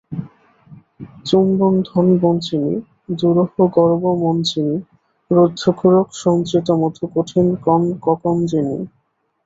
চুম্বনধনবঞ্চিনী, দুরূহগর্বমঞ্চিনী রুদ্ধকোরক -সঞ্চিত-মধু কঠিনকনককঞ্জিনী।